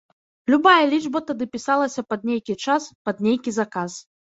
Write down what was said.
Любая лічба тады пісалася пад нейкі час, пад нейкі заказ.